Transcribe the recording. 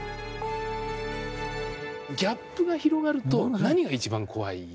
ギャップが広がると何が一番怖い？